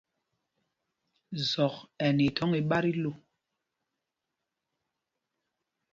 Zɔk ɛ nɛ ithɔ̌ŋ iɓá tí lô.